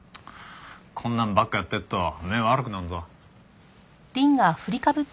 こんなのばっかやってると目ぇ悪くなるぞ。